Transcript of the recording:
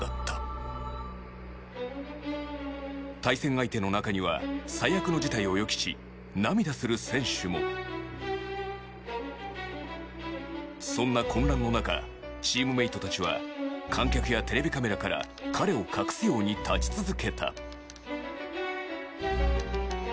対戦相手の中には最悪の事態を予期しそんな混乱の中チームメートたちは観客やテレビカメラから彼を隠すように立ち続けた。